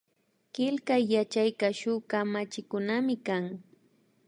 Killkay yachayka shuk kamachikunamikan